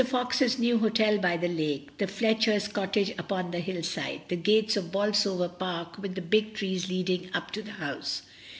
Fox's new hotel by the lake, the Fletcher's cottage upon the hill side, the gates of Bolsover Park with the big trees leading up to the house.